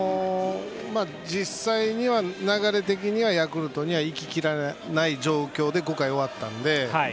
実際には流れ的にはヤクルトには行ききらない状況で５回が終わったので。